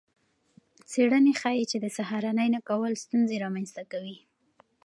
څیړنې ښيي چې د سهارنۍ نه کول ستونزې رامنځته کوي.